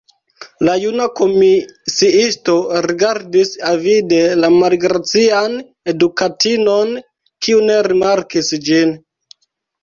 La juna komisiisto rigardis avide la malgracian edukatinon, kiu ne rimarkis ĝin.